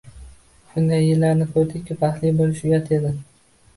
Shunday yillarni ko`rdikki, baxtli bo`lish uyat edi